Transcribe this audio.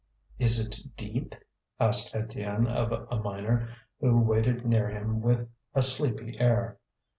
"Is it deep?" asked Étienne of a miner, who waited near him with a sleepy air.